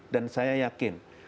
dan saya yakin